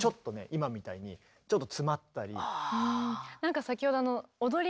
今みたいにちょっと詰まったり。